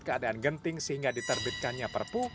keadaan genting sehingga diterbitkannya perpu